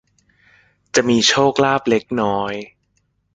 จะมีโชคลาภเล็กน้อย